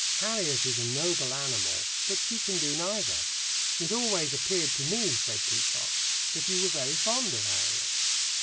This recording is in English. Harriet is a noble animal, but she can do neither." "It always appeared to me," said Peacock, "that you were very fond of Harriet."